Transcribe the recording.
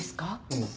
うん。